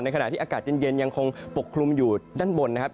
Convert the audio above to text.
ขณะที่อากาศเย็นยังคงปกคลุมอยู่ด้านบนนะครับ